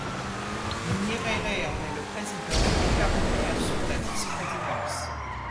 Nyerere en est le président et Karume assure la vice-présidence.